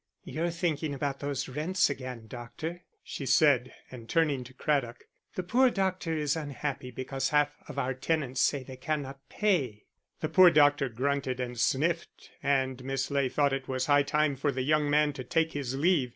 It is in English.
"You're thinking about those rents again, doctor," she said, and turning to Craddock: "The poor doctor is unhappy because half of our tenants say they cannot pay." The poor doctor grunted and sniffed, and Miss Ley thought it was high time for the young man to take his leave.